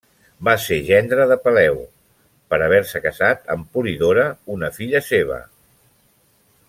Va ser gendre de Peleu, per haver-se casat amb Polidora, una filla seva.